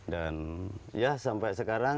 dan ya sampai sekarang